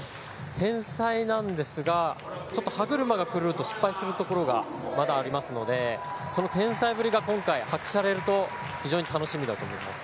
天才なんですがちょっと歯車が狂うと失敗するところがまだありますのでその天才ぶりが今回発揮されると非常に楽しみだと思います。